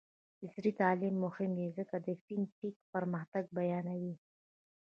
عصري تعلیم مهم دی ځکه چې د فین ټیک پرمختګ بیانوي.